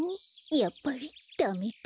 やっぱりダメだ。